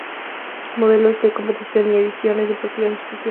Modelos de competición y ediciones deportivas especiales.